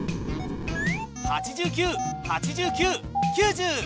８９８９９０！